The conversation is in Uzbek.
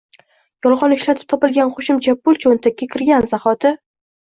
Yolg‘on ishlatib topilgan qo‘shimcha pul cho‘ntakka kirgani zahoti